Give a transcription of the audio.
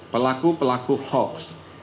pelaku pelaku hoax